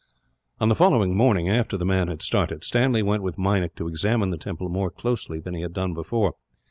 On the following morning, after the man had started, Stanley went with Meinik to examine the temple more closely than he had done before.